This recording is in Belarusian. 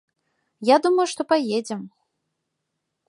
Я думаю, што паедзем.